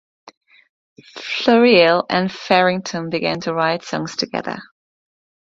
Floreale and Farrington began to write songs together.